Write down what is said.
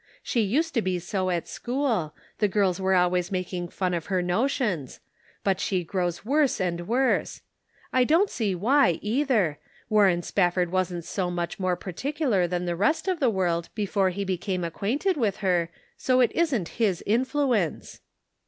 She used to be so at school ; the girls were always making fun of her notions ; but she grows worse and worse. I don't see why, either ; Warren Spafford wasn't so much more partic ular than the rest of the world before he be came acquainted with her; so it isn't his influence."